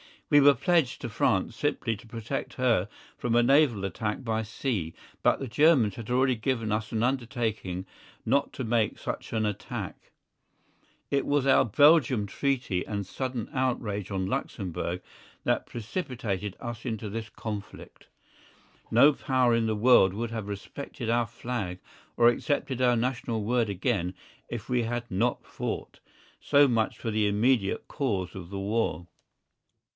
We were pledged to France simply to protect her from a naval attack by sea, but the Germans had already given us an undertaking not to make such an attack. It was our Belgian treaty and the sudden outrage on Luxemburg that precipitated us into this conflict. No Power in the world would have respected our Flag or accepted our national word again if we had not fought. So much for the immediate cause of the war.